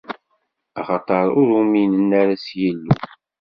Axaṭer ur uminen ara s Yillu.